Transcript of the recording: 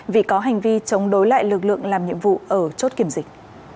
vì có hành vi chống đối lại lực lượng làm nhiệm vụ ở chốt kiểm dịch